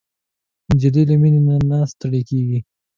نجلۍ له مینې نه نه ستړېږي.